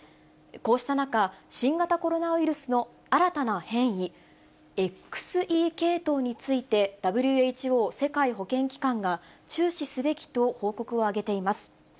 こうした中、新型コロナウイルスの新たな変異、ＸＥ系統について、ＷＨＯ・世界保健機関が注視すべきと報告を上げています。